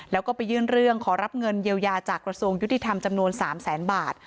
แล้วก็ไปยื่นเรื่องขอรับเงินเยียวยาจากกระทรวงยุติธรรมจำนวน๓แสนบาท